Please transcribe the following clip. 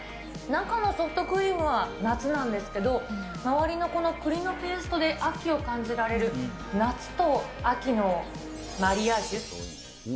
中のソフトクリームは夏なんですけど、周りのこの栗のペーストで秋を感じられる、夏と秋のマリアージュ。